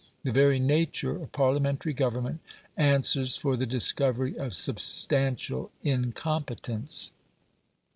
The very nature of Parliamentary government answers for the discovery of substantial incompetence.